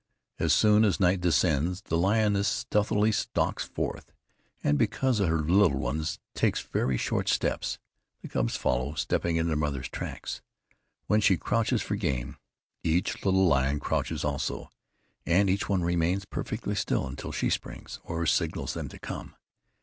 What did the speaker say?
As soon as night descends, the lioness stealthily stalks forth, and because of her little ones, takes very short steps. The cubs follow, stepping in their mother's tracks. When she crouches for game, each little lion crouches also, and each one remains perfectly still until she springs, or signals them to come.